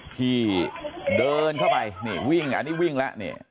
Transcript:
ที่เดินเข้าไปนี่วิ่งอันนี้วิ่งแล้วเนี่ย